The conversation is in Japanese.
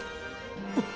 あっ！